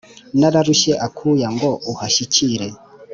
nararushye akuya ngo uhashyikire